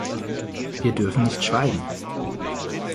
Wir dürfen nicht schweigen!